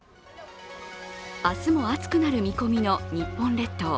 明日も暑くなる見込みの日本列島。